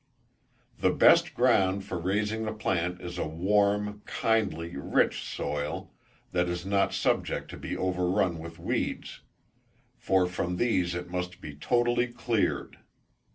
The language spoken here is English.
_ The best ground for raising the plant is a warm, kindly, rich soil, that is not subject to be over run with weeds; for from these it must be totally cleared.